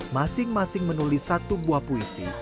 masing masing menulis satu buah puisi